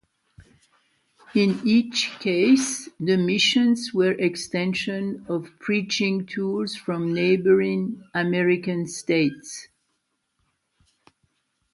In each case, the missions were extensions of preaching tours from neighboring American states.